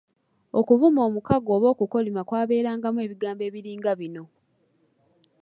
Okuvuma omukago oba okukolima kwabeerangamu ebigambo ebiringa bino.